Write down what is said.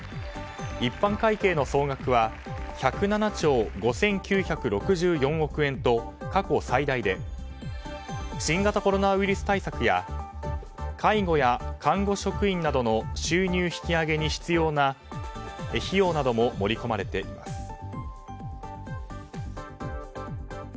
一般会計の総額は１０７兆５９６４億円と過去最大で新型コロナウイルス対策や介護や看護職員などの収入引き上げに必要な費用なども盛り込まれています。